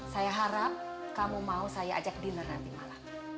saya harap kamu mau saya ajak dinner nanti malam